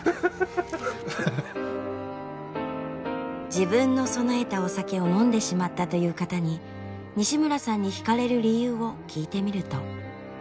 自分の供えたお酒を飲んでしまったという方に西村さんにひかれる理由を聞いてみると。